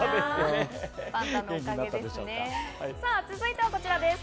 続いてはこちらです。